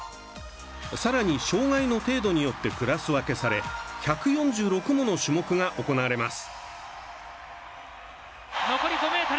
さらに、障がいの程度によってクラス分けされ１４６もの種目が行われます。